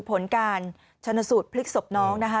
ผลการชนสูตรพลิกศพน้องนะคะ